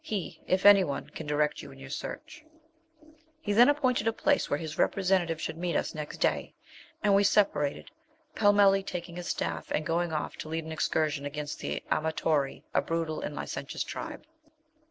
He, if any one, can direct you in your search.' Pronounced Assha. ED. He then appointed a place where his representative should meet us next day, and we separated, Pellmelli taking his staff, and going off to lead an excursion against the Ama Tory, a brutal and licentious tribe.